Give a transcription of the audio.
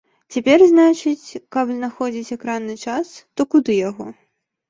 Цяпер, значыць, каб знаходзіць экранны час, то куды яго?